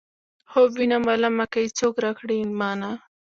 خوب وينم عالمه که یې څوک راکړل مانا.